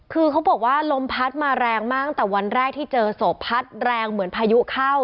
คือเขาบอกว่าลมพัดมาแรงมากตั้งแต่วันแรกที่เจอศพพัดแรงเหมือนพายุเข้า